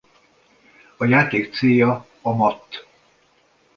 A játék célja a matt.